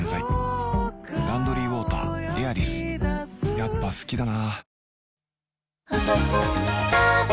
やっぱ好きだな